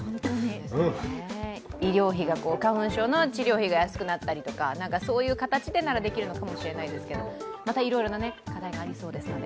花粉症の治療費が安くなったりとか、そういう形でならできるかもしれないですけれどもまたいろいろな課題がありそうですので。